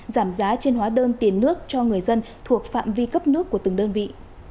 giảm giá trên hóa đơn tiền nước cho người dân thuộc phạm vi cấp nước của từng đơn vị